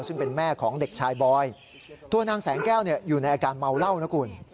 ซึ่งเป็นแม่ของเด็กชายบอยตัวนางแสงแก้วอยู่ในอาการเมาเหล้านะคุณ